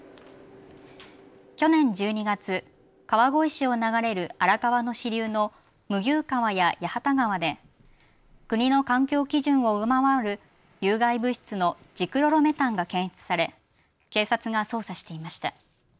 去年１２月、川越市を流れる荒川の支流の麦生川や八幡川で国の環境基準を上回る有害物質のジクロロメタンが検出され警察が捜査していました。